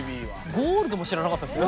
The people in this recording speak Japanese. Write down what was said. ゴールドも知らなかったですよ。